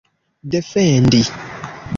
defendi